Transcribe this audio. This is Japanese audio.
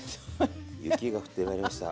雪が降ってまいりました。